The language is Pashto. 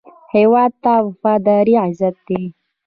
هېواد ته وفاداري غیرت دی